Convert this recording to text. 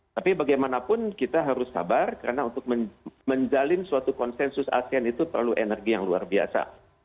tapi bagaimanapun kita harus sabar karena untuk menjalin suatu konsensus asean itu perlu energi yang luar biasa